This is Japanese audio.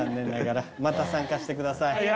また参加してください。